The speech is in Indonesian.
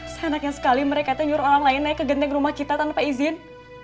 senangnya sekali mereka teh nyuruh orang lain naik ke ganteng rumah kita tanpa izin